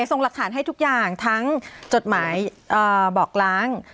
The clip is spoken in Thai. ส่งหลักฐานให้ทุกอย่างทั้งจดหมายบอกล้าง